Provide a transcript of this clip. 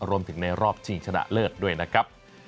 รวมถึงในรอบชีวิตชนะเลิศด้วยนะครับ